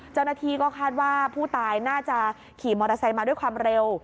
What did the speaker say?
เจ้าหน้าที่ก็คาดว่าผู้ตายน่าจะขี่มอเตอร์ไซค์มาด้วยความเร็ว